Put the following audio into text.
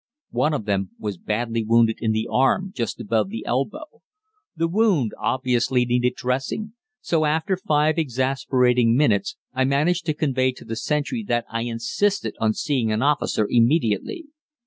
One of them was badly wounded in the arm just above the elbow. The wound obviously needed dressing, so after five exasperating minutes I managed to convey to the sentry that I insisted on seeing an officer immediately.